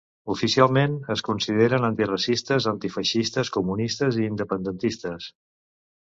Oficialment es consideren antiracistes, antifeixistes, comunistes i independentistes.